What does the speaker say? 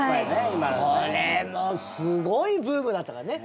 これもすごいブームだったからね。